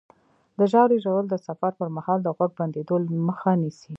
د ژاولې ژوول د سفر پر مهال د غوږ بندېدو مخه نیسي.